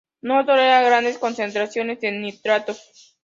No tolera grandes concentraciones de nitratos.